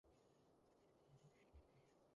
好大陣仗噉